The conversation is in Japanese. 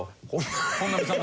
本並さんが。